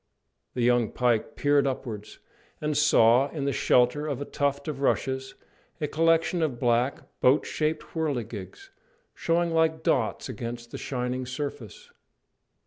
The young pike peered upwards, and saw in the shelter of a tuft of rushes a collection of black, boat shaped whirligigs, showing like dots against the shining surface.